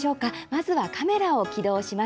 まずはカメラを起動します。